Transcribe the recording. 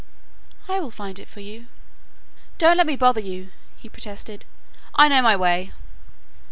"I will find it for you." "Don't let me bother you," he protested, "I know my way."